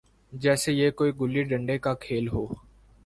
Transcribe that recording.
جیسے یہ کوئی گلی ڈنڈے کا کھیل ہو۔